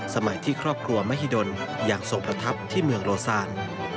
สมัยที่ครอบครัวมหิดลอย่างทรงประทับที่เมืองโลซาน